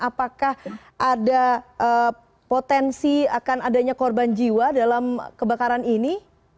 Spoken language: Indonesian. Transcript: apakah ada potensi akan adanya korban jiwa dalam kebakaran ini